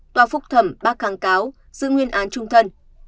tòa phúc thẩm bác kháng cáo giữ nguyên án trung thân